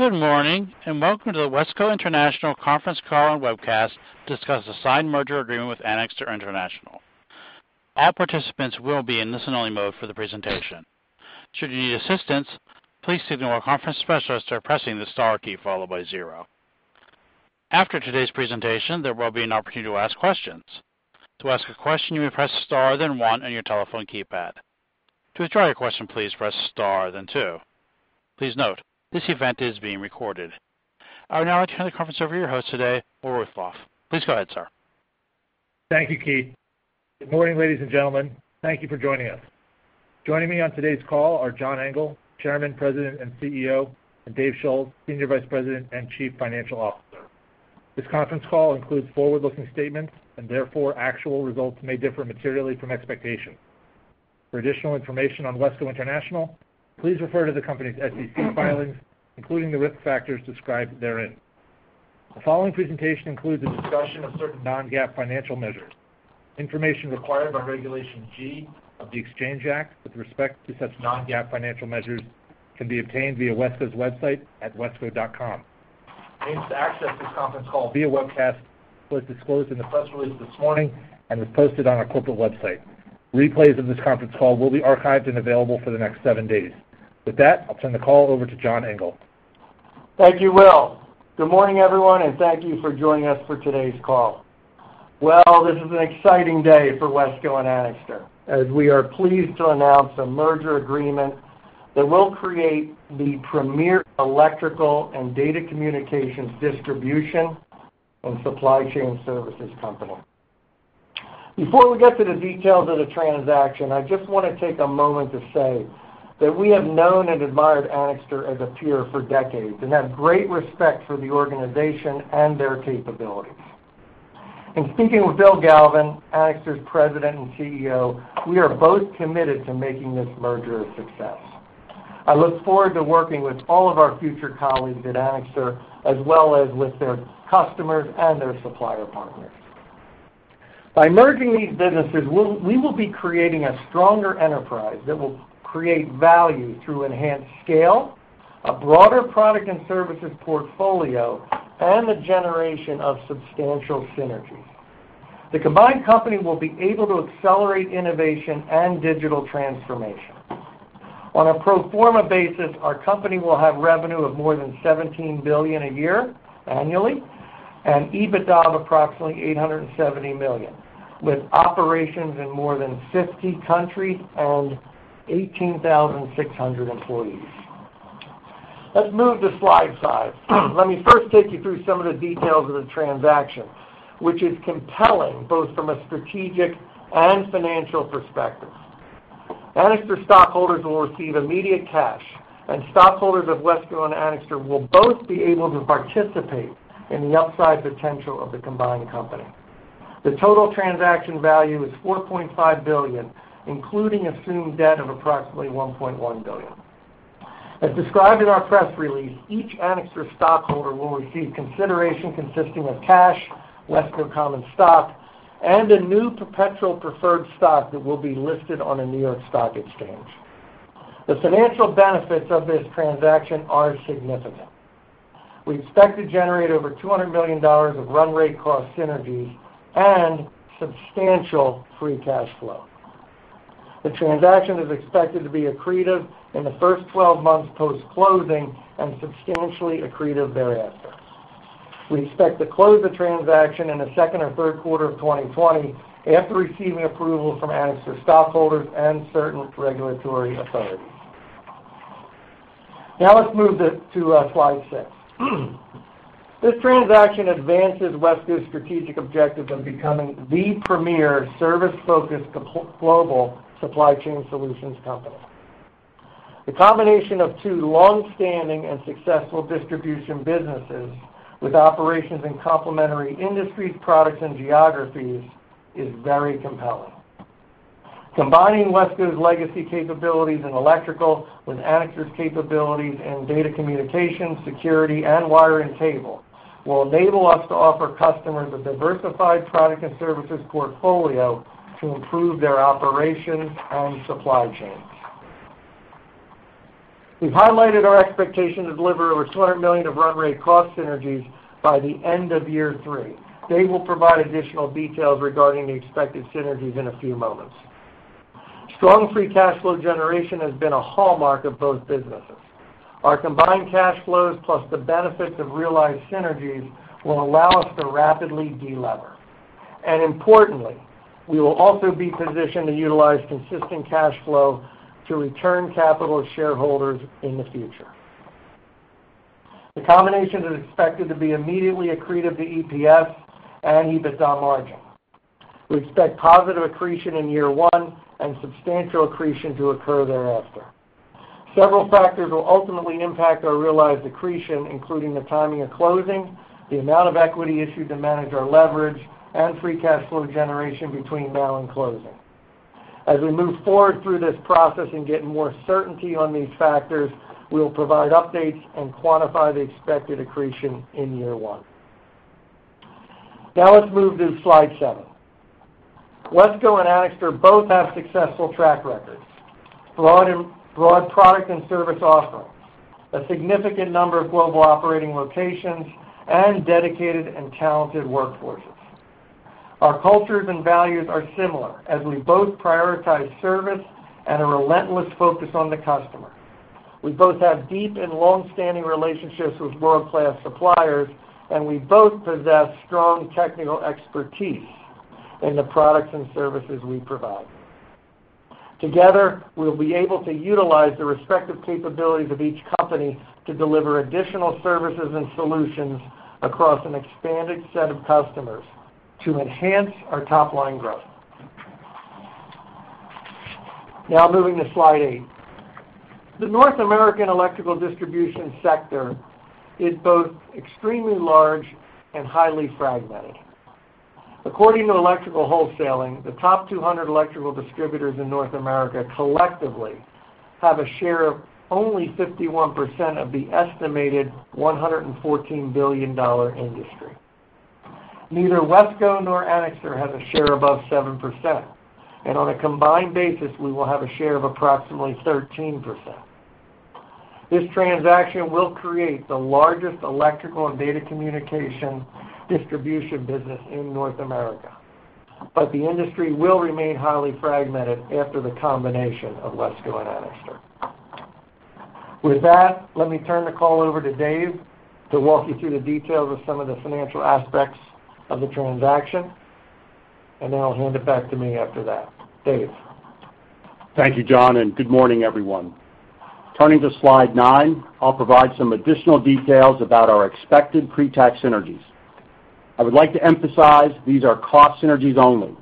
Good morning, welcome to the WESCO International conference call and webcast to discuss the signed merger agreement with Anixter International. All participants will be in listen-only mode for the presentation. Should you need assistance, please signal a conference specialist by pressing the star key followed by zero. After today's presentation, there will be an opportunity to ask questions. To ask a question, you may press star then one on your telephone keypad. To withdraw your question, please press star then two. Please note, this event is being recorded. I would now like to turn the conference over to your host today, Will Roszale. Please go ahead, sir. Thank you, Keith. Good morning, ladies and gentlemen. Thank you for joining us. Joining me on today's call are John Engel, Chairman, President, and CEO, and Dave Schulz, Senior Vice President and Chief Financial Officer. This conference call includes forward-looking statements. Therefore, actual results may differ materially from expectations. For additional information on WESCO International, please refer to the company's SEC filings, including the risk factors described therein. The following presentation includes a discussion of certain non-GAAP financial measures. Information required by Regulation G of the Exchange Act with respect to such non-GAAP financial measures can be obtained via WESCO's website at wesco.com. Links to access this conference call via webcast was disclosed in the press release this morning and is posted on our corporate website. Replays of this conference call will be archived and available for the next seven days. With that, I'll turn the call over to John Engel. Thank you, Will. Good morning, everyone, and thank you for joining us for today's call. Well, this is an exciting day for WESCO and Anixter, as we are pleased to announce a merger agreement that will create the premier electrical and data communications distribution and supply chain services company. Before we get to the details of the transaction, I just want to take a moment to say that we have known and admired Anixter as a peer for decades and have great respect for the organization and their capabilities. In speaking with Bill Galvin, Anixter's President and CEO, we are both committed to making this merger a success. I look forward to working with all of our future colleagues at Anixter, as well as with their customers and their supplier partners. By merging these businesses, we will be creating a stronger enterprise that will create value through enhanced scale, a broader product and services portfolio, and the generation of substantial synergies. The combined company will be able to accelerate innovation and digital transformation. On a pro forma basis, our company will have revenue of more than $17 billion a year annually and EBITDA of approximately $870 million, with operations in more than 50 countries and 18,600 employees. Let's move to slide five. Let me first take you through some of the details of the transaction, which is compelling both from a strategic and financial perspective. Anixter stockholders will receive immediate cash, and stockholders of WESCO and Anixter will both be able to participate in the upside potential of the combined company. The total transaction value is $4.5 billion, including assumed debt of approximately $1.1 billion. As described in our press release, each Anixter stockholder will receive consideration consisting of cash, WESCO common stock, and a new perpetual preferred stock that will be listed on the New York Stock Exchange. The financial benefits of this transaction are significant. We expect to generate over $200 million of run rate cost synergies and substantial free cash flow. The transaction is expected to be accretive in the first 12 months post-closing and substantially accretive thereafter. We expect to close the transaction in the second or third quarter of 2020 after receiving approval from Anixter stockholders and certain regulatory authorities. Let's move to slide six. This transaction advances WESCO's strategic objective of becoming the premier service-focused global supply chain solutions company. The combination of two longstanding and successful distribution businesses with operations in complementary industries, products, and geographies is very compelling. Combining WESCO's legacy capabilities in electrical with Anixter's capabilities in data communications, security, and wire and cable will enable us to offer customers a diversified product and services portfolio to improve their operations and supply chains. We've highlighted our expectation to deliver over $200 million of run rate cost synergies by the end of year three. Dave will provide additional details regarding the expected synergies in a few moments. Strong free cash flow generation has been a hallmark of both businesses. Our combined cash flows, plus the benefits of realized synergies, will allow us to rapidly delever. Importantly, we will also be positioned to utilize consistent cash flow to return capital to shareholders in the future. The combination is expected to be immediately accretive to EPS and EBITDA margin. We expect positive accretion in year one and substantial accretion to occur thereafter. Several factors will ultimately impact our realized accretion, including the timing of closing, the amount of equity issued to manage our leverage, and free cash flow generation between now and closing. As we move forward through this process and get more certainty on these factors, we will provide updates and quantify the expected accretion in year one. Let's move to slide seven. WESCO and Anixter both have successful track records, broad product and service offerings, a significant number of global operating locations, and dedicated and talented workforces. Our cultures and values are similar, as we both prioritize service and a relentless focus on the customer. We both have deep and long-standing relationships with world-class suppliers, and we both possess strong technical expertise in the products and services we provide. Together, we'll be able to utilize the respective capabilities of each company to deliver additional services and solutions across an expanded set of customers to enhance our top-line growth. Moving to slide eight. The North American electrical distribution sector is both extremely large and highly fragmented. According to Electrical Wholesaling, the top 200 electrical distributors in North America collectively have a share of only 51% of the estimated $114 billion industry. Neither WESCO nor Anixter has a share above 7%, and on a combined basis, we will have a share of approximately 13%. This transaction will create the largest electrical and data communication distribution business in North America. The industry will remain highly fragmented after the combination of WESCO and Anixter. With that, let me turn the call over to Dave to walk you through the details of some of the financial aspects of the transaction, and then I'll hand it back to me after that. Dave? Thank you, John, and good morning, everyone. Turning to slide nine, I will provide some additional details about our expected pre-tax synergies. I would like to emphasize these are cost synergies only.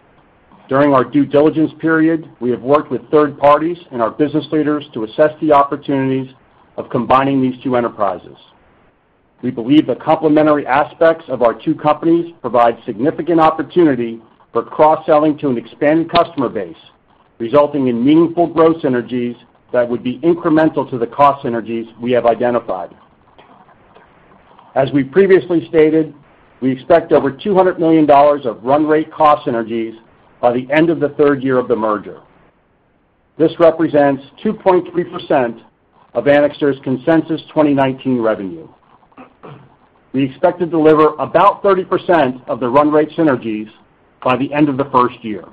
During our due diligence period, we have worked with third parties and our business leaders to assess the opportunities of combining these two enterprises. We believe the complementary aspects of our two companies provide significant opportunity for cross-selling to an expanded customer base, resulting in meaningful growth synergies that would be incremental to the cost synergies we have identified. As we previously stated, we expect over $200 million of run rate cost synergies by the end of the third year of the merger. This represents 2.3% of Anixter's consensus 2019 revenue. We expect to deliver about 30% of the run rate synergies by the end of the first year.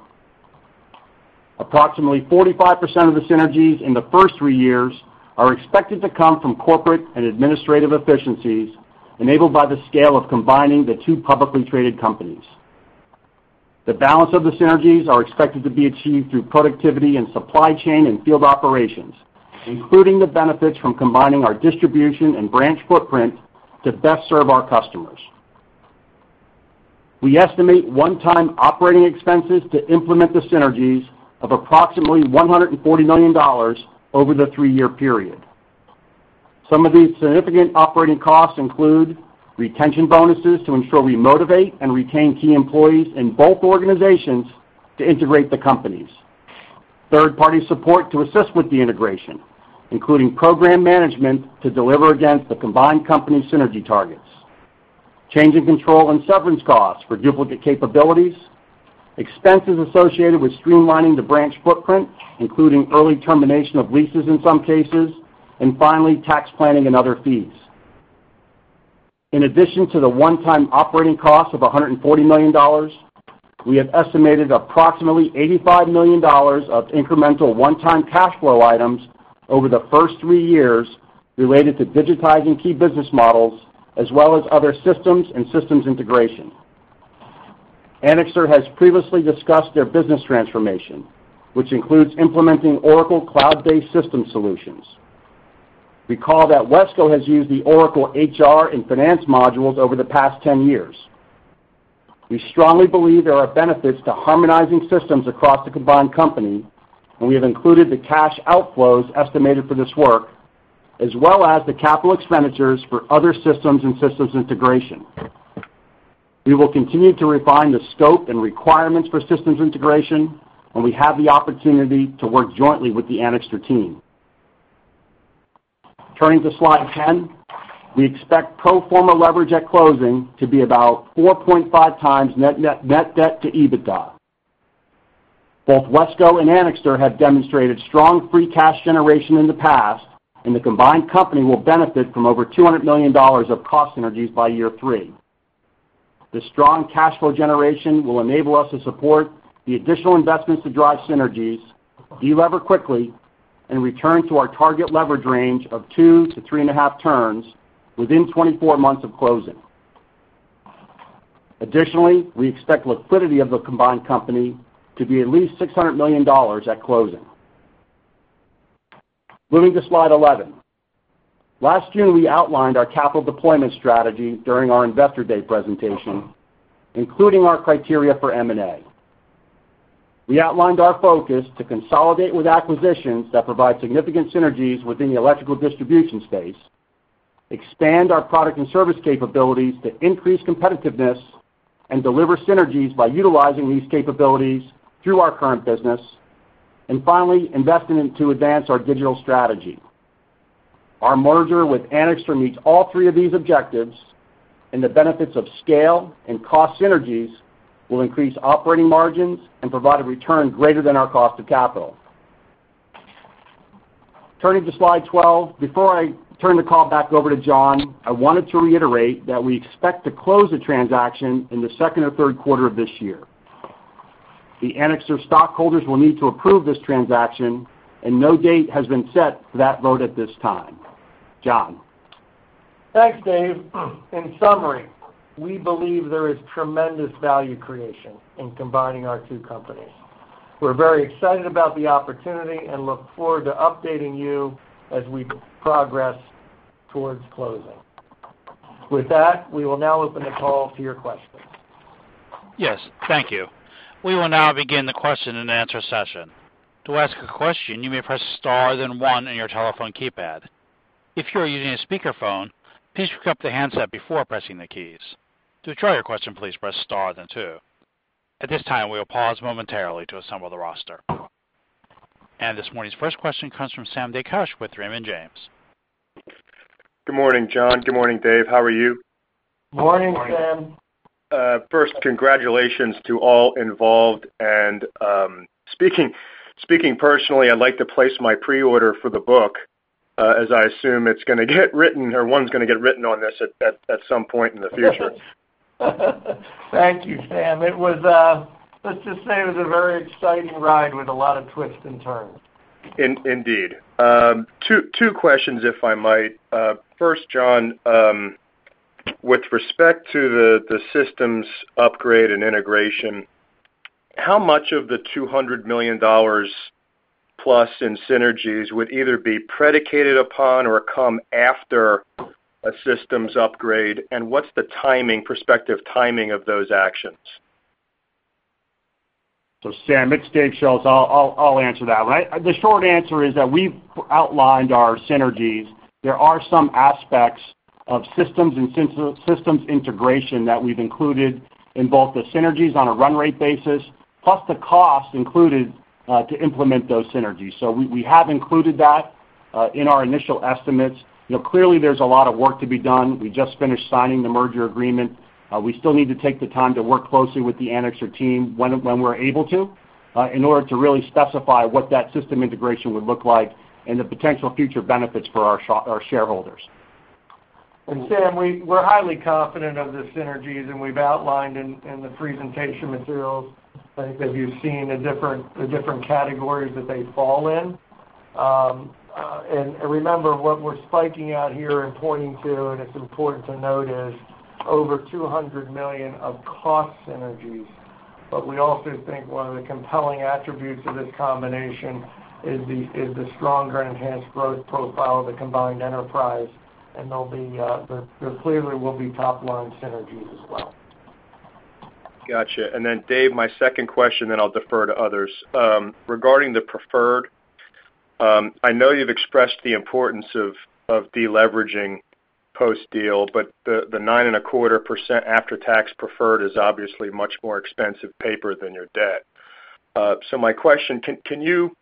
Approximately 45% of the synergies in the first three years are expected to come from corporate and administrative efficiencies enabled by the scale of combining the two publicly traded companies. The balance of the synergies are expected to be achieved through productivity and supply chain and field operations, including the benefits from combining our distribution and branch footprint to best serve our customers. We estimate one-time operating expenses to implement the synergies of approximately $140 million over the three-year period. Some of these significant operating costs include retention bonuses to ensure we motivate and retain key employees in both organizations to integrate the companies. Third-party support to assist with the integration, including program management to deliver against the combined company synergy targets. Change in control and severance costs for duplicate capabilities. Expenses associated with streamlining the branch footprint, including early termination of leases in some cases, and finally, tax planning and other fees. In addition to the one-time operating cost of $140 million, we have estimated approximately $85 million of incremental one-time cash flow items over the first three years related to digitizing key business models, as well as other systems and systems integration. Anixter has previously discussed their business transformation, which includes implementing Oracle cloud-based system solutions. Recall that WESCO has used the Oracle HR and finance modules over the past 10 years. We strongly believe there are benefits to harmonizing systems across the combined company, and we have included the cash outflows estimated for this work, as well as the capital expenditures for other systems and systems integration. We will continue to refine the scope and requirements for systems integration when we have the opportunity to work jointly with the Anixter team. Turning to slide 10, we expect pro forma leverage at closing to be about 4.5 times net debt to EBITDA. Both WESCO and Anixter have demonstrated strong free cash generation in the past, and the combined company will benefit from over $200 million of cost synergies by year three. The strong cash flow generation will enable us to support the additional investments to drive synergies, delever quickly, and return to our target leverage range of two to three and a half turns within 24 months of closing. Additionally, we expect liquidity of the combined company to be at least $600 million at closing. Moving to slide 11. Last year, we outlined our capital deployment strategy during our Investor Day presentation, including our criteria for M&A. We outlined our focus to consolidate with acquisitions that provide significant synergies within the electrical distribution space, expand our product and service capabilities to increase competitiveness and deliver synergies by utilizing these capabilities through our current business, and finally, investing in to advance our digital strategy. Our merger with Anixter meets all three of these objectives, and the benefits of scale and cost synergies will increase operating margins and provide a return greater than our cost of capital. Turning to slide 12, before I turn the call back over to John, I wanted to reiterate that we expect to close the transaction in the second or third quarter of this year. The Anixter stockholders will need to approve this transaction, and no date has been set for that vote at this time. John. Thanks, Dave. In summary, we believe there is tremendous value creation in combining our two companies. We're very excited about the opportunity and look forward to updating you as we progress towards closing. With that, we will now open the call to your questions. Yes, thank you. We will now begin the question and answer session. To ask a question, you may press star, then one on your telephone keypad. If you are using a speakerphone, please pick up the handset before pressing the keys. To withdraw your question, please press star, then two. At this time, we'll pause momentarily to assemble the roster. This morning's first question comes from Sam Dickert with Raymond James. Good morning, John. Good morning, Dave. How are you? Morning, Sam. Morning. First, congratulations to all involved, and speaking personally, I'd like to place my pre-order for the book, as I assume it's going to get written or one's going to get written on this at some point in the future. Thank you, Sam. Let's just say it was a very exciting ride with a lot of twists and turns. Indeed. Two questions, if I might. First, John, with respect to the systems upgrade and integration, how much of the $200 million plus in synergies would either be predicated upon or come after a systems upgrade, and what's the prospective timing of those actions? Sam, it's Dave Schulz. I'll answer that. The short answer is that we've outlined our synergies. There are some aspects of systems integration that we've included in both the synergies on a run rate basis, plus the cost included to implement those synergies. We have included that in our initial estimates. Clearly, there's a lot of work to be done. We just finished signing the merger agreement. We still need to take the time to work closely with the Anixter team when we're able to, in order to really specify what that system integration would look like and the potential future benefits for our shareholders. Sam, we're highly confident of the synergies, and we've outlined in the presentation materials, I think as you've seen, the different categories that they fall in. Remember, what we're spiking out here and pointing to, and it's important to note, is over $200 million of cost synergies. We also think one of the compelling attributes of this combination is the stronger enhanced growth profile of the combined enterprise. There clearly will be top-line synergies as well. Got you. Then Dave, my second question, then I'll defer to others. Regarding the preferred, I know you've expressed the importance of de-leveraging post-deal, but the 9.25% after-tax preferred is obviously much more expensive paper than your debt. My question, can you,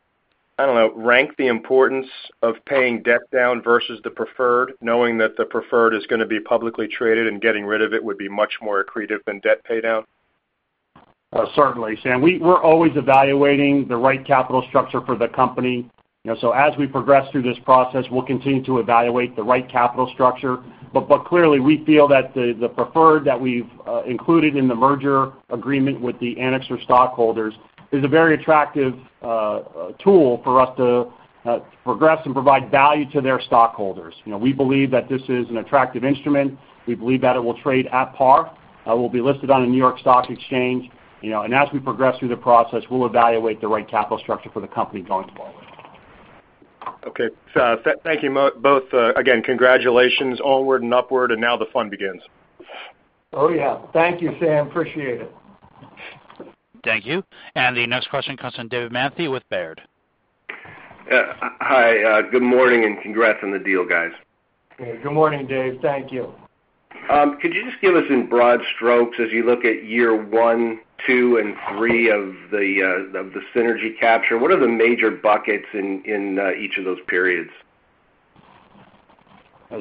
I don't know, rank the importance of paying debt down versus the preferred, knowing that the preferred is going to be publicly traded and getting rid of it would be much more accretive than debt paydown? Certainly, Sam. We're always evaluating the right capital structure for the company. As we progress through this process, we'll continue to evaluate the right capital structure. Clearly, we feel that the preferred that we've included in the merger agreement with the Anixter stockholders is a very attractive tool for us to progress and provide value to their stockholders. We believe that this is an attractive instrument. We believe that it will trade at par. It will be listed on the New York Stock Exchange. As we progress through the process, we'll evaluate the right capital structure for the company going forward. Okay. Thank you both. Again, congratulations. Onward and upward, and now the fun begins. Oh, yeah. Thank you, Sam. Appreciate it. Thank you. The next question comes from David Manthey with Baird. Hi, good morning, and congrats on the deal, guys. Good morning, Dave. Thank you. Could you just give us in broad strokes as you look at year one, two, and three of the synergy capture, what are the major buckets in each of those periods?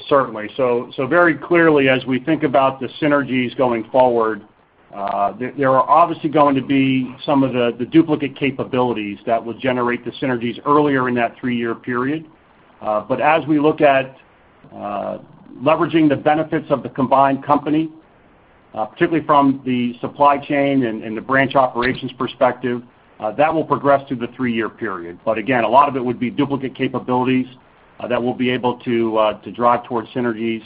Certainly. Very clearly, as we think about the synergies going forward, there are obviously going to be some of the duplicate capabilities that will generate the synergies earlier in that three-year period. As we look at leveraging the benefits of the combined company, particularly from the supply chain and the branch operations perspective, that will progress through the three-year period. Again, a lot of it would be duplicate capabilities that we'll be able to drive towards synergies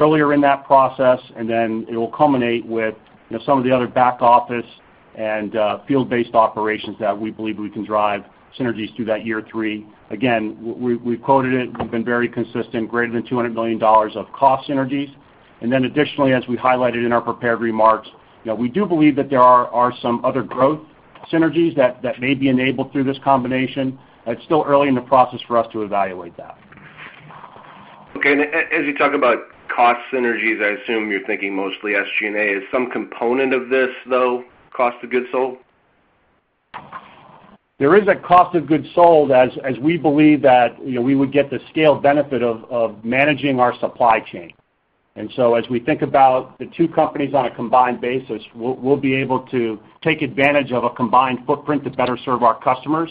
earlier in that process. It will culminate with some of the other back office and field-based operations that we believe we can drive synergies through that year three. Again, we've quoted it, we've been very consistent, greater than $200 million of cost synergies. Additionally, as we highlighted in our prepared remarks, we do believe that there are some other growth synergies that may be enabled through this combination. It's still early in the process for us to evaluate that. Okay. As you talk about cost synergies, I assume you're thinking mostly SG&A. Is some component of this, though, cost of goods sold? There is a cost of goods sold as we believe that we would get the scale benefit of managing our supply chain. As we think about the two companies on a combined basis, we'll be able to take advantage of a combined footprint to better serve our customers.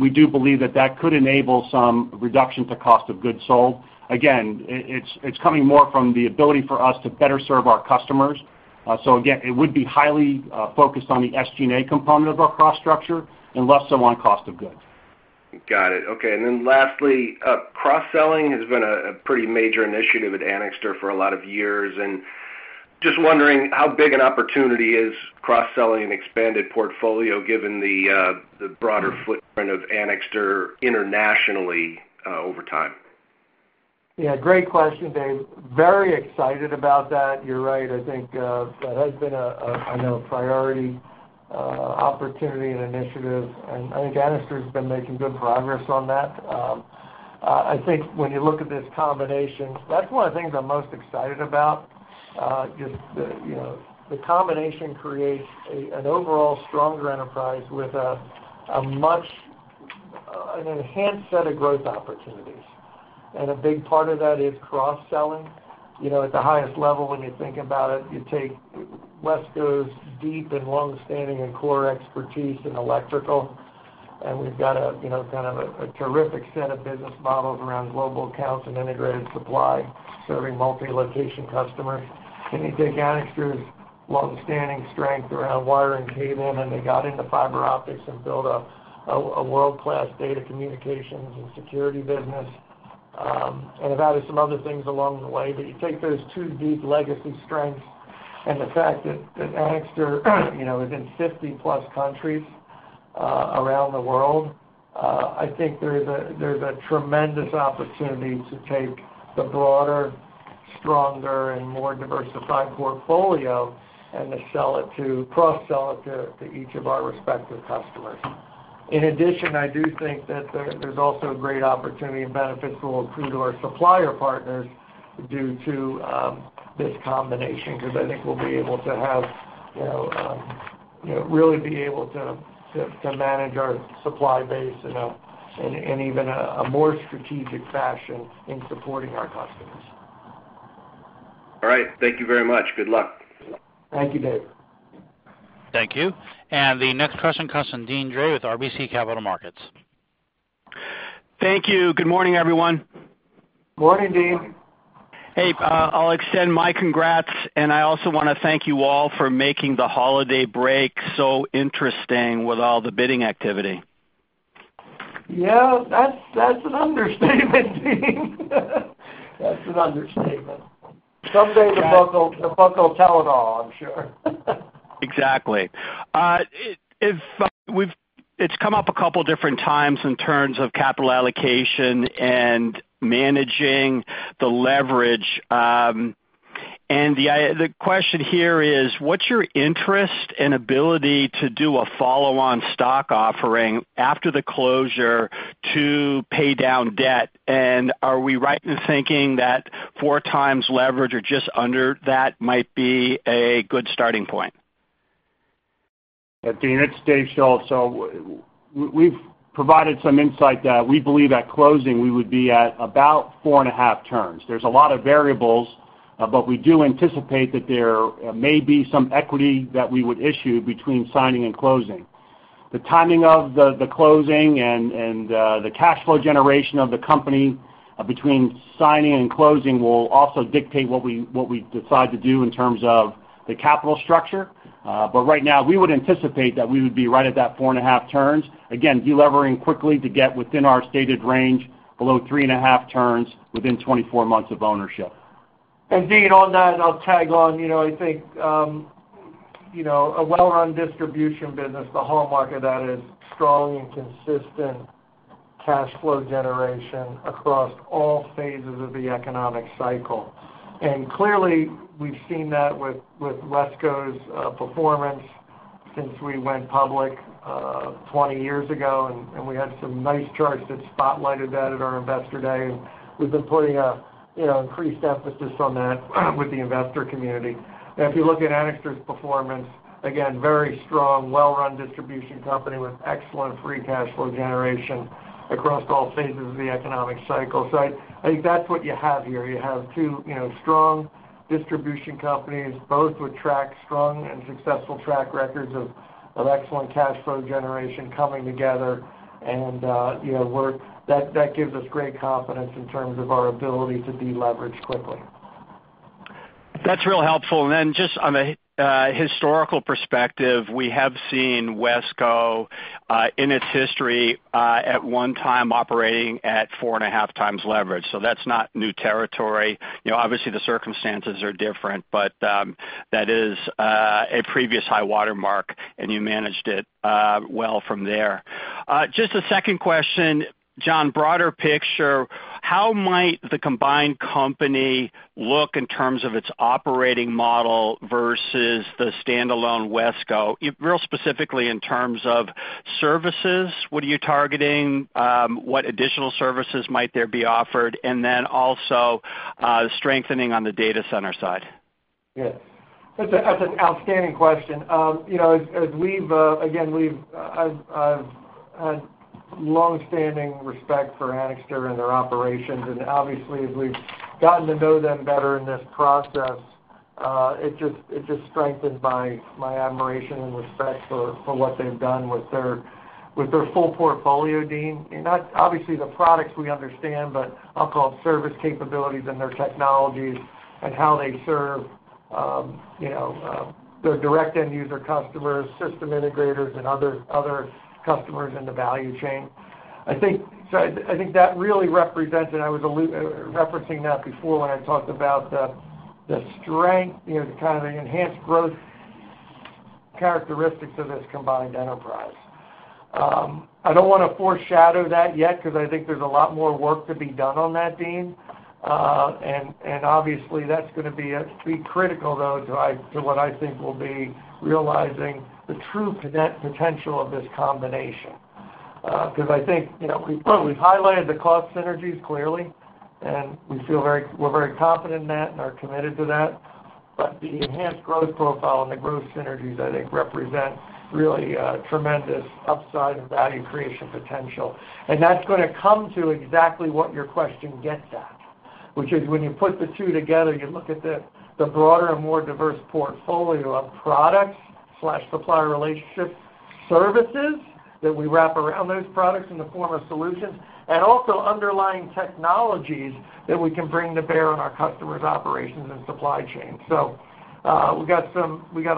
We do believe that that could enable some reduction to cost of goods sold. Again, it's coming more from the ability for us to better serve our customers. Again, it would be highly focused on the SG&A component of our cost structure and less so on cost of goods. Got it. Okay. Lastly, cross-selling has been a pretty major initiative at Anixter for a lot of years, and just wondering how big an opportunity is cross-selling an expanded portfolio given the broader footprint of Anixter internationally over time. Yeah, great question, Dave. Very excited about that. You're right. I think that has been a priority opportunity and initiative, and I think Anixter's been making good progress on that. I think when you look at this combination, that's one of the things I'm most excited about. Just the combination creates an overall stronger enterprise with an enhanced set of growth opportunities. A big part of that is cross-selling. At the highest level, when you think about it, you take WESCO's deep and longstanding and core expertise in electrical, and we've got a terrific set of business models around global accounts and integrated supply serving multi-location customers. You take Anixter's longstanding strength around wire and cable, and they got into fiber optics and built a world-class data communications and security business, and have added some other things along the way. You take those two deep legacy strengths and the fact that Anixter is in 50-plus countries around the world, I think there's a tremendous opportunity to take the broader, stronger, and more diversified portfolio and to cross-sell it to each of our respective customers. In addition, I do think that there's also a great opportunity and benefit to accrue to our supplier partners due to this combination, because I think we'll really be able to manage our supply base in even a more strategic fashion in supporting our customers. All right. Thank you very much. Good luck. Thank you, Dave. Thank you. The next question comes from Deane Dray with RBC Capital Markets. Thank you. Good morning, everyone. Morning, Deane. Hey, I'll extend my congrats. I also want to thank you all for making the holiday break so interesting with all the bidding activity. Yeah. That's an understatement, Deane. That's an understatement. Someday the book will tell it all, I'm sure. Exactly. It's come up a couple different times in terms of capital allocation and managing the leverage. The question here is: what's your interest and ability to do a follow-on stock offering after the closure to pay down debt? Are we right in thinking that 4 times leverage or just under that might be a good starting point? Deane, it's Dave Schulz. We've provided some insight that we believe at closing, we would be at about 4.5 turns. There's a lot of variables, but we do anticipate that there may be some equity that we would issue between signing and closing. The timing of the closing and the cash flow generation of the company between signing and closing will also dictate what we decide to do in terms of the capital structure. Right now, we would anticipate that we would be right at that 4.5 turns. Again, de-levering quickly to get within our stated range below 3.5 turns within 24 months of ownership. Deane, on that, and I'll tag on, I think, a well-run distribution business, the hallmark of that is strong and consistent cash flow generation across all phases of the economic cycle. Clearly, we've seen that with WESCO's performance since we went public 20 years ago, and we had some nice charts that spotlighted that at our Investor Day. We've been putting increased emphasis on that with the investor community. If you look at Anixter's performance, again, very strong, well-run distribution company with excellent free cash flow generation across all phases of the economic cycle. I think that's what you have here. You have two strong distribution companies, both with strong and successful track records of excellent cash flow generation coming together, and that gives us great confidence in terms of our ability to de-leverage quickly. That's real helpful. Just on a historical perspective, we have seen WESCO in its history, at one time operating at four and a half times leverage. That's not new territory. Obviously, the circumstances are different, but that is a previous high water mark, and you managed it well from there. Just a second question. John, broader picture, how might the combined company look in terms of its operating model versus the standalone WESCO? Real specifically in terms of services, what are you targeting? What additional services might there be offered? Also, strengthening on the data center side. Yes. That's an outstanding question. Again, I've longstanding respect for Anixter and their operations, obviously as we've gotten to know them better in this process, it just strengthened my admiration and respect for what they've done with their full portfolio, Deane. Obviously the products we understand, but I'll call it service capabilities and their technologies and how they serve their direct end user customers, system integrators and other customers in the value chain. I think that really represents, and I was referencing that before when I talked about the strength, the kind of enhanced growth characteristics of this combined enterprise. I don't want to foreshadow that yet because I think there's a lot more work to be done on that, Deane. Obviously that's going to be critical, though, to what I think will be realizing the true potential of this combination. I think, we've highlighted the cost synergies clearly, and we're very confident in that and are committed to that. The enhanced growth profile and the growth synergies, I think represent really a tremendous upside and value creation potential. That's going to come to exactly what your question gets at, which is when you put the two together, you look at the broader and more diverse portfolio of products/supplier relationship services that we wrap around those products in the form of solutions, and also underlying technologies that we can bring to bear on our customers' operations and supply chain. We've got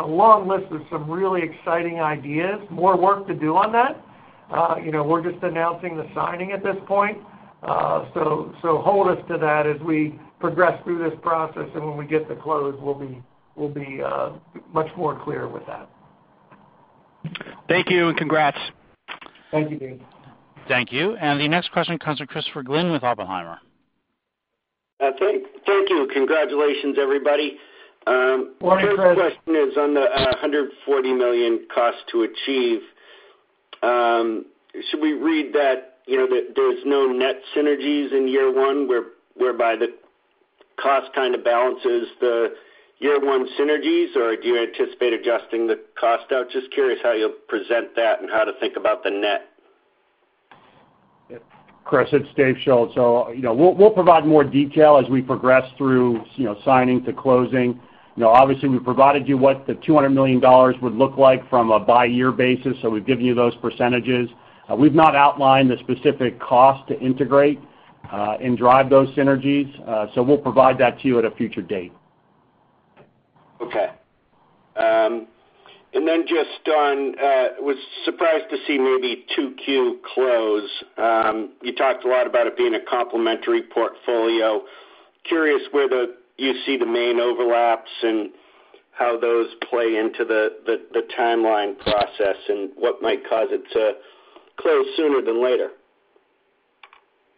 a long list of some really exciting ideas. More work to do on that. We're just announcing the signing at this point. Hold us to that as we progress through this process and when we get to close, we'll be much more clear with that. Thank you, and congrats. Thank you, Deane. Thank you. The next question comes from Christopher Glynn with Oppenheimer. Thank you. Congratulations, everybody. Morning, Chris. First question is on the $140 million cost to achieve. Should we read that there's no net synergies in year one whereby the cost kind of balances the year one synergies, or do you anticipate adjusting the cost out? Just curious how you'll present that and how to think about the net. Chris, it's Dave Schulz. We'll provide more detail as we progress through signing to closing. Obviously, we provided you what the $200 million would look like from a by-year basis. We've given you those percentages. We've not outlined the specific cost to integrate and drive those synergies. We'll provide that to you at a future date. Okay. Was surprised to see maybe 2Q close. You talked a lot about it being a complementary portfolio. Curious where you see the main overlaps and how those play into the timeline process and what might cause it to close sooner than later.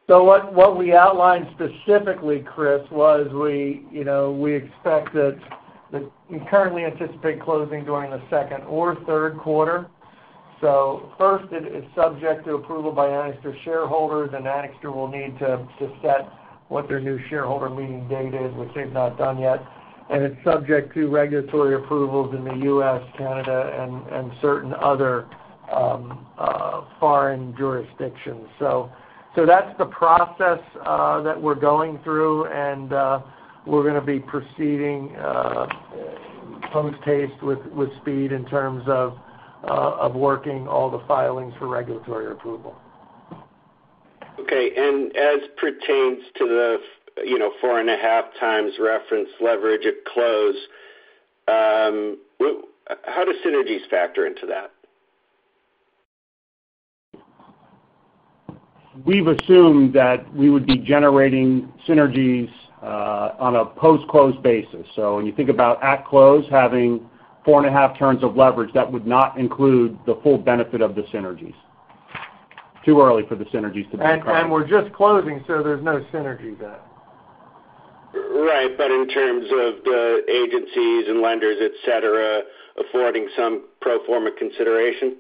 What we outlined specifically, Chris, was we currently anticipate closing during the second or third quarter. First, it is subject to approval by Anixter shareholders, Anixter will need to set what their new shareholder meeting date is, which they've not done yet. It's subject to regulatory approvals in the U.S., Canada, and certain other foreign jurisdictions. That's the process that we're going through and we're going to be proceeding post-haste with speed in terms of working all the filings for regulatory approval. Okay. As pertains to the 4.5x reference leverage at close, how do synergies factor into that? We've assumed that we would be generating synergies on a post-close basis. When you think about at close having four and a half turns of leverage, that would not include the full benefit of the synergies. Too early for the synergies to be priced. We're just closing, so there's no synergy there. Right. In terms of the agencies and lenders, et cetera, affording some pro forma consideration?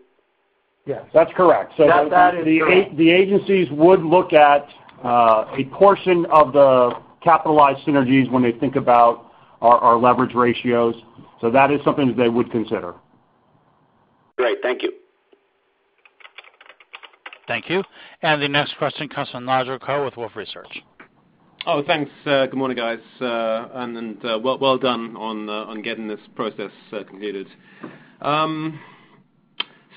Yes. That's correct. That is correct. The agencies would look at a portion of the capitalized synergies when they think about our leverage ratios. That is something that they would consider. Great. Thank you. Thank you. The next question comes from Nigel Coe with Wolfe Research. Oh, thanks. Good morning, guys. Well done on getting this process completed.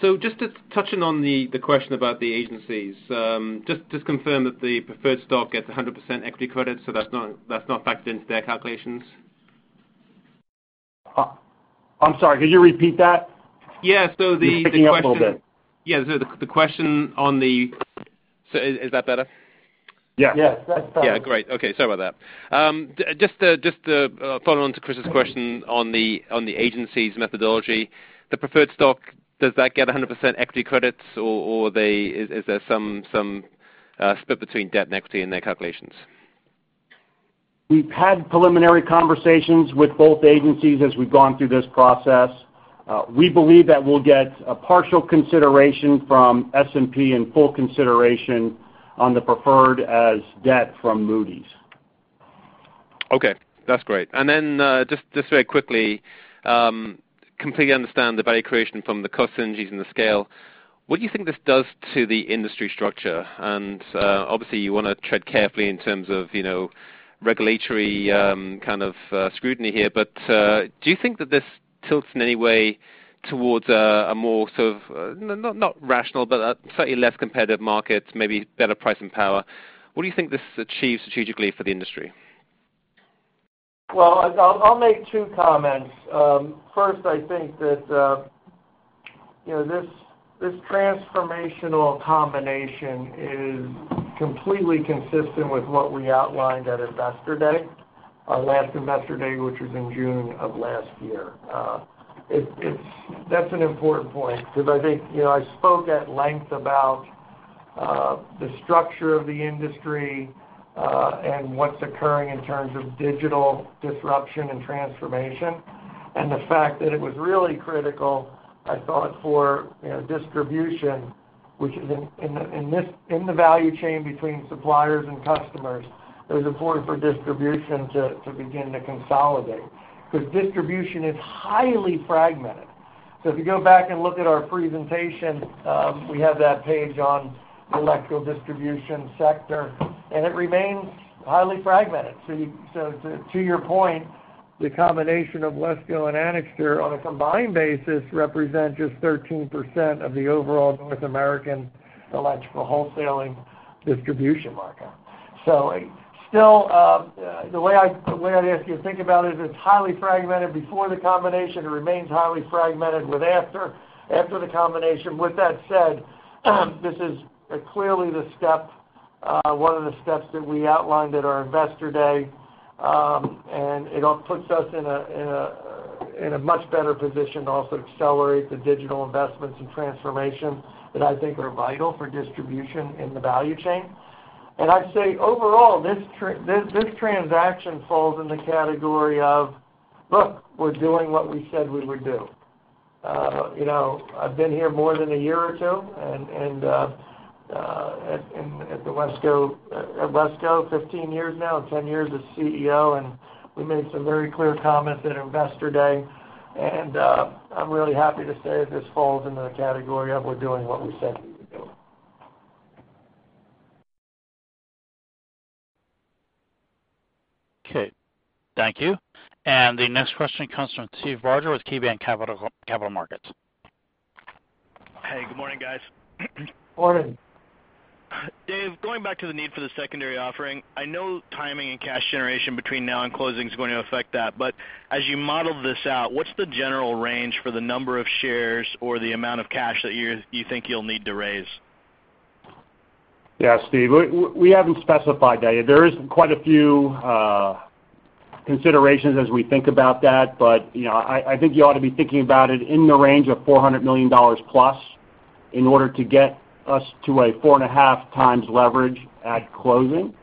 Just touching on the question about the agencies, just to confirm that the preferred stock gets 100% equity credit, so that's not factored into their calculations? I'm sorry, could you repeat that? Yeah. You're breaking up a little bit. Is that better? Yes. Yes, that's better. Yeah. Great. Okay. Sorry about that. Just to follow on to Chris's question on the agencies' methodology. The preferred stock, does that get 100% equity credits or is there some split between debt and equity in their calculations? We've had preliminary conversations with both agencies as we've gone through this process. We believe that we'll get a partial consideration from S&P and full consideration on the preferred as debt from Moody's. Okay, that's great. Just very quickly, completely understand the value creation from the cost synergies and the scale. What do you think this does to the industry structure? Obviously you want to tread carefully in terms of regulatory kind of scrutiny here, but, do you think that this tilts in any way towards a more sort of, not rational, but a slightly less competitive market, maybe better pricing power? What do you think this achieves strategically for the industry? I'll make two comments. First, I think that this transformational combination is completely consistent with what we outlined at Investor Day, our last Investor Day, which was in June of last year. That's an important point because I think, I spoke at length about the structure of the industry, and what's occurring in terms of digital disruption and transformation, and the fact that it was really critical, I thought, for distribution, which is in the value chain between suppliers and customers, it was important for distribution to begin to consolidate, because distribution is highly fragmented. If you go back and look at our presentation, we have that page on the electrical distribution sector, and it remains highly fragmented. To your point, the combination of WESCO and Anixter, on a combined basis, represent just 13% of the overall North American electrical wholesaling distribution market. Still, the way I'd ask you to think about it is it's highly fragmented before the combination. It remains highly fragmented with after the combination. With that said, this is clearly one of the steps that we outlined at our Investor Day. It all puts us in a much better position to also accelerate the digital investments and transformation that I think are vital for distribution in the value chain. I'd say overall, this transaction falls in the category of, look, we're doing what we said we would do. I've been here more than a year or two, and at WESCO 15 years now, 10 years as CEO, I'm really happy to say this falls in the category of we're doing what we said we would do. Okay. Thank you. The next question comes from Steve Barger with KeyBanc Capital Markets. Hey, good morning, guys. Morning. Dave, going back to the need for the secondary offering, I know timing and cash generation between now and closing is going to affect that, as you model this out, what's the general range for the number of shares or the amount of cash that you think you'll need to raise? Yeah, Steve, we haven't specified that yet. There is quite a few considerations as we think about that, but I think you ought to be thinking about it in the range of $400 million plus in order to get us to a four and a half times leverage at closing.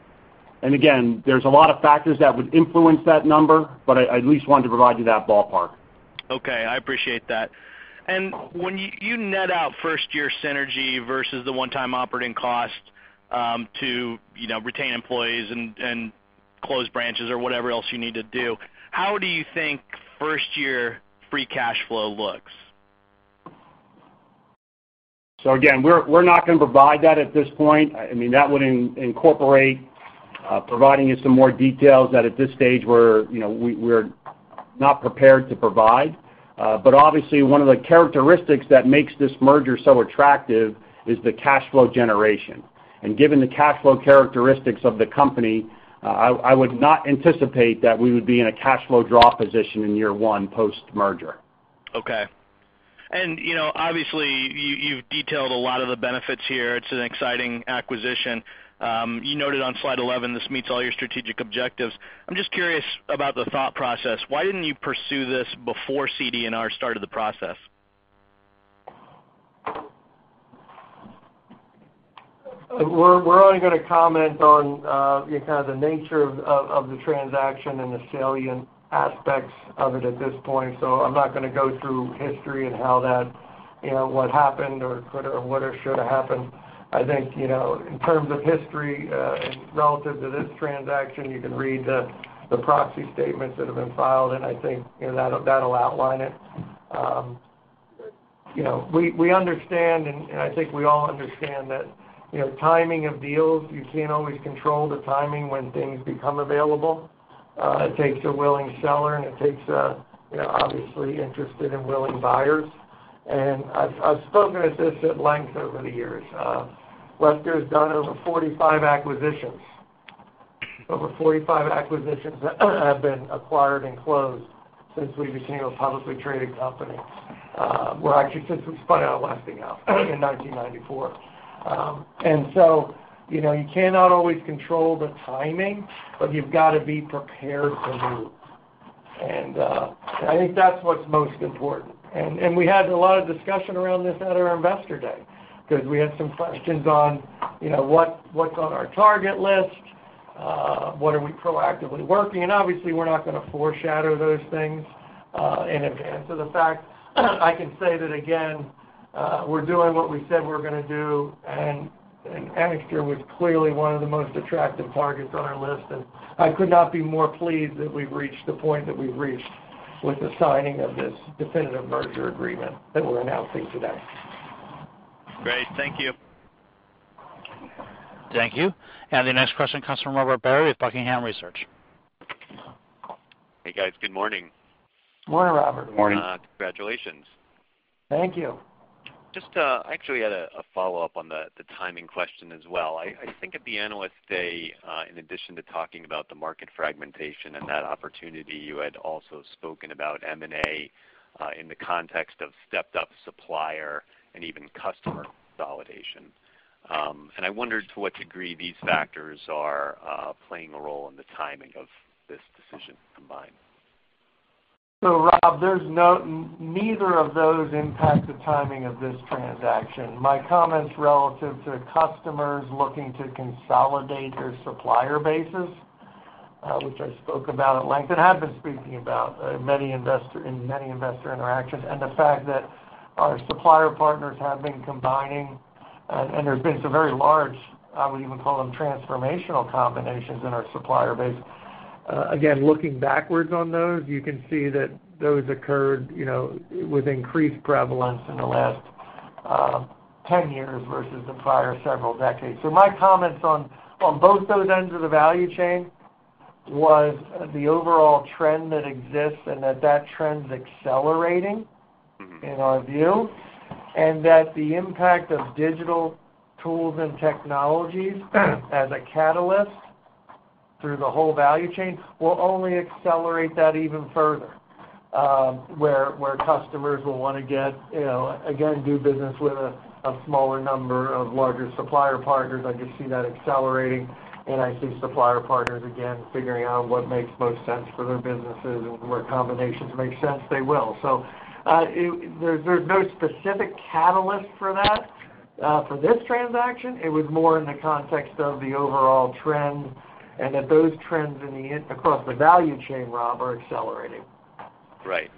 Again, there's a lot of factors that would influence that number, but I at least wanted to provide you that ballpark. Okay, I appreciate that. When you net out first-year synergy versus the one-time operating cost to retain employees and close branches or whatever else you need to do, how do you think first-year free cash flow looks? Again, we're not going to provide that at this point. That would incorporate providing you some more details that at this stage we're not prepared to provide. Obviously one of the characteristics that makes this merger so attractive is the cash flow generation. Given the cash flow characteristics of the company, I would not anticipate that we would be in a cash flow draw position in year one post-merger. Okay. Obviously, you've detailed a lot of the benefits here. It's an exciting acquisition. You noted on slide 11 this meets all your strategic objectives. I'm just curious about the thought process. Why didn't you pursue this before CD&R started the process? We're only going to comment on the kind of the nature of the transaction and the salient aspects of it at this point. I'm not going to go through history and what happened or could or would or should have happened. I think, in terms of history, and relative to this transaction, you can read the proxy statements that have been filed, and I think that'll outline it. We understand, and I think we all understand that, timing of deals, you can't always control the timing when things become available. It takes a willing seller and it takes, obviously interested and willing buyers. I've spoken at this at length over the years. WESCO's done over 45 acquisitions. Over 45 acquisitions have been acquired and closed since we became a publicly traded company. Well, actually, since we spun out of Westinghouse in 1994. You cannot always control the timing, but you've got to be prepared to move. I think that's what's most important. We had a lot of discussion around this at our Investor Day because we had some questions on what's on our target list. What are we proactively working? Obviously, we're not going to foreshadow those things in advance of the fact. I can say that again, we're doing what we said we're going to do, and Anixter was clearly one of the most attractive targets on our list. I could not be more pleased that we've reached the point that we've reached with the signing of this definitive merger agreement that we're announcing today. Great. Thank you. Thank you. The next question comes from Robert Barry with Buckingham Research. Hey, guys. Good morning. Morning, Robert. Morning. Congratulations. Thank you. Just actually had a follow-up on the timing question as well. I think at the Investor Day, in addition to talking about the market fragmentation and that opportunity, you had also spoken about M&A, in the context of stepped-up supplier and even customer consolidation. I wondered to what degree these factors are playing a role in the timing of this decision to combine. Rob, neither of those impact the timing of this transaction. My comments relative to customers looking to consolidate their supplier bases, which I spoke about at length and have been speaking about in many investor interactions, and the fact that our supplier partners have been combining, and there's been some very large, I would even call them transformational combinations in our supplier base. Again, looking backwards on those, you can see that those occurred with increased prevalence in the last 10 years versus the prior several decades. My comments on both those ends of the value chain was the overall trend that exists and that trend's accelerating. In our view, and that the impact of digital tools and technologies as a catalyst through the whole value chain will only accelerate that even further, where customers will want to, again, do business with a smaller number of larger supplier partners. I just see that accelerating, and I see supplier partners again, figuring out what makes most sense for their businesses and where combinations make sense, they will. There's no specific catalyst for that. For this transaction, it was more in the context of the overall trend and that those trends across the value chain, Rob, are accelerating. Right.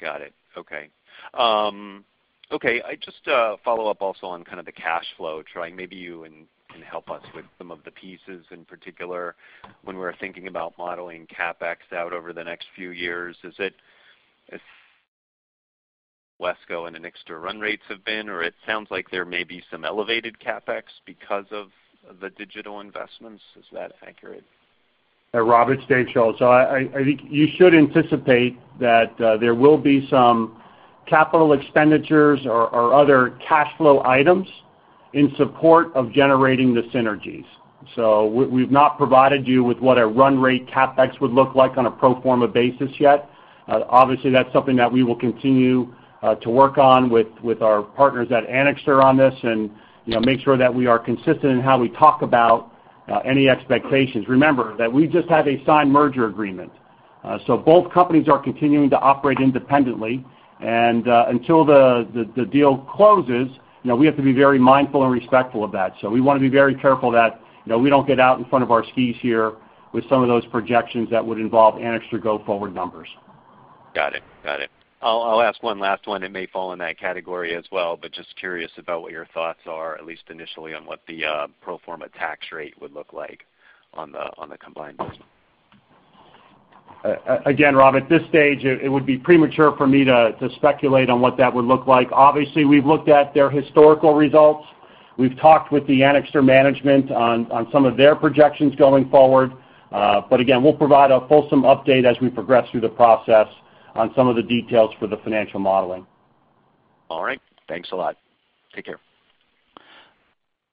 Got it. Okay. I just follow up also on kind of the cash flow. Dave, maybe you can help us with some of the pieces in particular when we're thinking about modeling CapEx out over the next few years. Is it WESCO and Anixter run rates have been, or it sounds like there may be some elevated CapEx because of the digital investments. Is that accurate? Robert, it's Dave Schulz. I think you should anticipate that there will be some capital expenditures or other cash flow items in support of generating the synergies. We've not provided you with what a run rate CapEx would look like on a pro forma basis yet. Obviously, that's something that we will continue to work on with our partners at Anixter on this and make sure that we are consistent in how we talk about any expectations. Remember that we just have a signed merger agreement. Both companies are continuing to operate independently, and until the deal closes, we have to be very mindful and respectful of that. We want to be very careful that we don't get out in front of our skis here with some of those projections that would involve Anixter go-forward numbers. Got it. I'll ask one last one. It may fall in that category as well, but just curious about what your thoughts are, at least initially, on what the pro forma tax rate would look like on the combined business. Rob, at this stage, it would be premature for me to speculate on what that would look like. Obviously, we've looked at their historical results. We've talked with the Anixter management on some of their projections going forward. Again, we'll provide a fulsome update as we progress through the process on some of the details for the financial modeling. All right. Thanks a lot. Take care.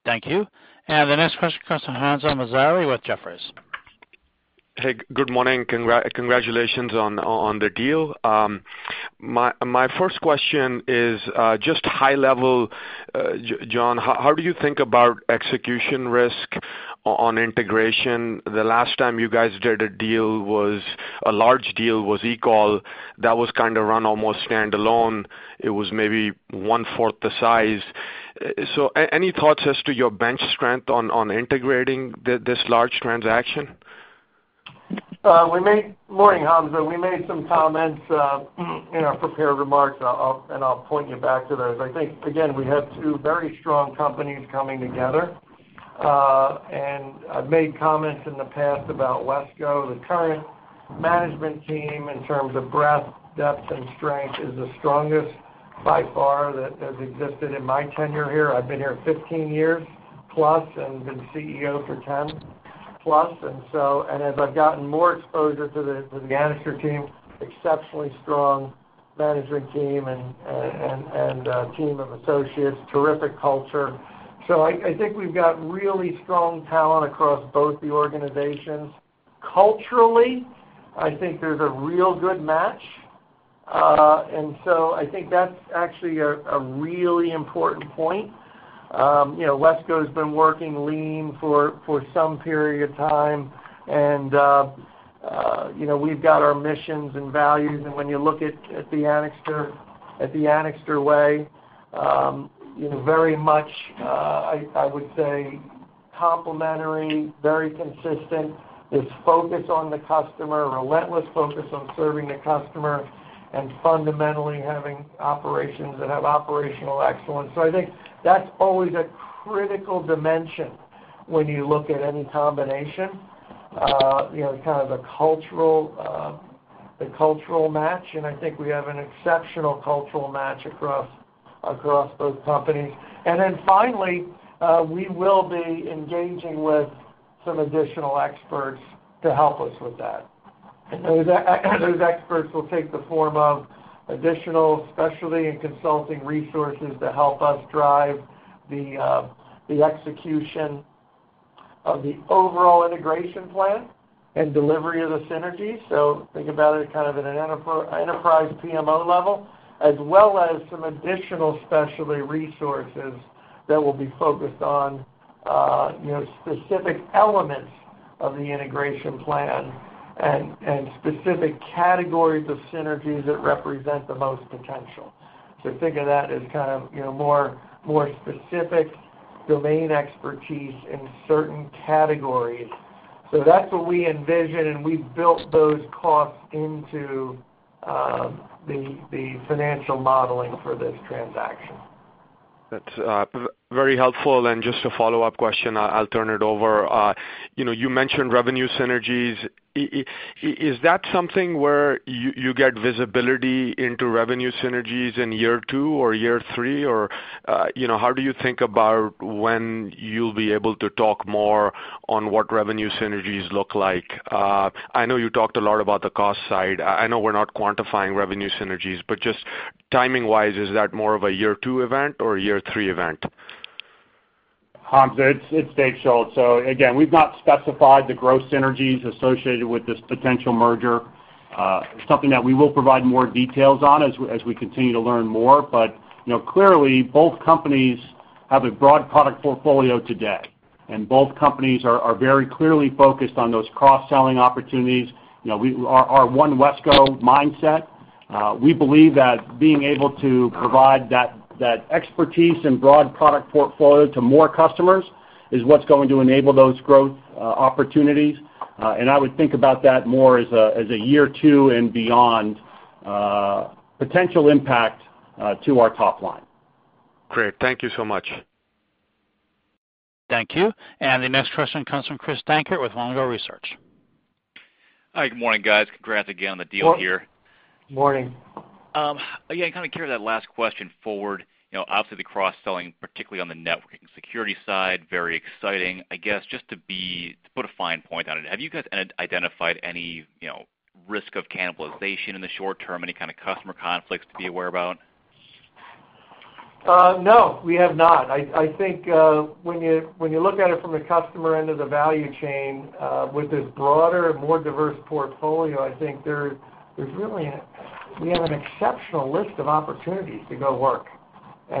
Thank you. The next question comes from Hamza Mazhar with Jefferies. Hey, good morning. Congratulations on the deal. My first question is, just high level, John, how do you think about execution risk on integration? The last time you guys did a deal was a large deal, was EECOL. That was kind of run almost standalone. It was maybe one-fourth the size. Any thoughts as to your bench strength on integrating this large transaction? Morning, Hamza. We made some comments in our prepared remarks. I'll point you back to those. I think, again, we have two very strong companies coming together. I've made comments in the past about WESCO. The current management team in terms of breadth, depth, and strength is the strongest by far that has existed in my tenure here. I've been here 15 years plus and been CEO for 10 plus. As I've gotten more exposure to the Anixter team, exceptionally strong management team and team of associates, terrific culture. I think we've got really strong talent across both the organizations. Culturally, I think there's a real good match. I think that's actually a really important point. WESCO's been working lean for some period of time. We've got our missions and values, and when you look at the Anixter way, very much, I would say complementary, very consistent. It's focused on the customer, relentless focus on serving the customer, and fundamentally having operations that have operational excellence. I think that's always a critical dimension when you look at any combination, kind of the cultural match. I think we have an exceptional cultural match across both companies. Finally, we will be engaging with some additional experts to help us with that. Those experts will take the form of additional specialty and consulting resources to help us drive the execution of the overall integration plan and delivery of the synergy. Think about it kind of at an enterprise PMO level, as well as some additional specialty resources that will be focused on specific elements of the integration plan and specific categories of synergies that represent the most potential. Think of that as kind of more specific domain expertise in certain categories. That's what we envision, and we've built those costs into the financial modeling for this transaction. That's very helpful. Just a follow-up question, I'll turn it over. You mentioned revenue synergies. Is that something where you get visibility into revenue synergies in year two or year three, or how do you think about when you'll be able to talk more on what revenue synergies look like? I know you talked a lot about the cost side. I know we're not quantifying revenue synergies, but just timing-wise, is that more of a year two event or a year three event? Hamza, it's Dave Schulz. Again, we've not specified the gross synergies associated with this potential merger. It's something that we will provide more details on as we continue to learn more. Clearly, both companies have a broad product portfolio today, and both companies are very clearly focused on those cross-selling opportunities. Our One WESCO mindset, we believe that being able to provide that expertise and broad product portfolio to more customers is what's going to enable those growth opportunities. I would think about that more as a year two and beyond potential impact to our top line. Great. Thank you so much. Thank you. The next question comes from Chris Dankert with Longbow Research. Hi, good morning, guys. Congrats again on the deal here. Morning. Yeah, kind of carry that last question forward. Obviously, the cross-selling, particularly on the networking security side, very exciting. I guess, just to put a fine point on it, have you guys identified any risk of cannibalization in the short term, any kind of customer conflicts to be aware about? No, we have not. I think when you look at it from the customer end of the value chain with this broader and more diverse portfolio, I think we have an exceptional list of opportunities to go work. We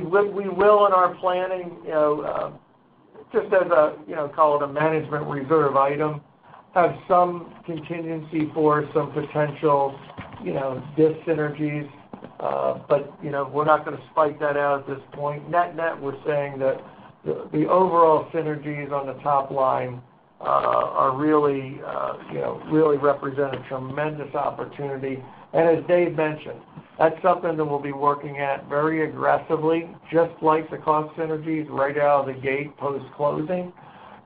will, in our planning, just as a call it a management reserve item, have some contingency for some potential dyssynergies. We're not going to spike that out at this point. Net net, we're saying that the overall synergies on the top line really represent a tremendous opportunity. As Dave mentioned, that's something that we'll be working at very aggressively, just like the cost synergies right out of the gate post-closing.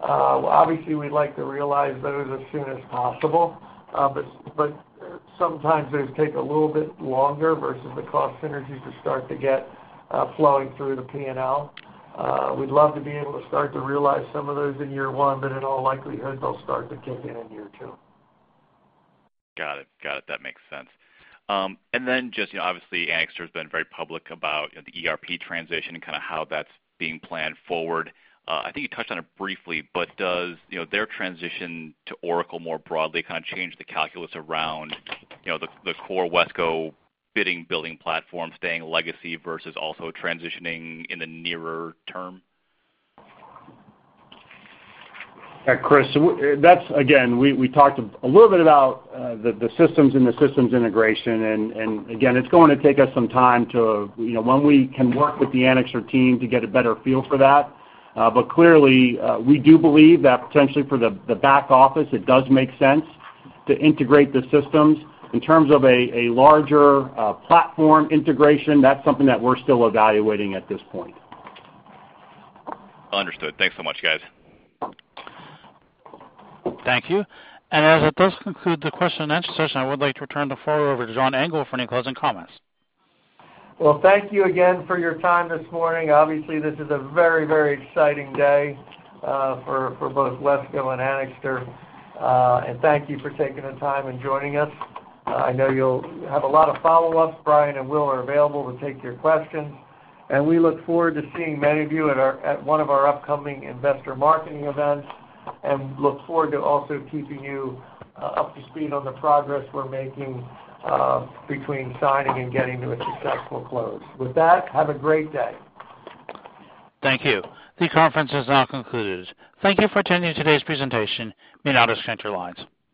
Obviously, we'd like to realize those as soon as possible. Sometimes those take a little bit longer versus the cost synergies to start to get flowing through the P&L. We'd love to be able to start to realize some of those in year one, but in all likelihood, they'll start to kick in in year two. Got it. That makes sense. Just obviously, Anixter's been very public about the ERP transition and kind of how that's being planned forward. I think you touched on it briefly, does their transition to Oracle more broadly kind of change the calculus around the core WESCO bidding and building platform staying legacy versus also transitioning in the nearer term? Chris, again, we talked a little bit about the systems and the systems integration, again, it's going to take us some time to when we can work with the Anixter team to get a better feel for that. Clearly, we do believe that potentially for the back office, it does make sense to integrate the systems. In terms of a larger platform integration, that's something that we're still evaluating at this point. Understood. Thanks so much, guys. Thank you. As that does conclude the question and answer session, I would like to turn the floor over to John Engel for any closing comments. Well, thank you again for your time this morning. Obviously, this is a very, very exciting day for both WESCO and Anixter. And thank you for taking the time and joining us. I know you'll have a lot of follow-ups. Brian and Will are available to take your questions. And we look forward to seeing many of you at one of our upcoming investor marketing events and look forward to also keeping you up to speed on the progress we're making between signing and getting to a successful close. With that, have a great day. Thank you. The conference is now concluded. Thank you for attending today's presentation. You may now disconnect your lines.